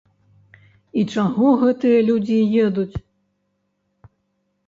І чаго гэтыя людзі едуць?